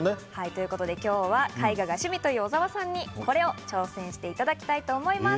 今日は絵画が趣味という小澤さんにこれを挑戦していただきたいと思います。